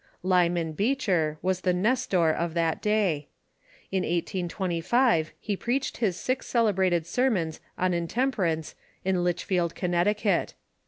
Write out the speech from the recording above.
Lyman Beecher was the Nestor of that day. In 1825 he preached his six celebrated sermons on intemper ance in Litchfield, Connecticut.